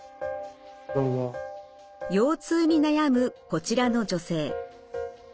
腰痛に悩むこちらの女性。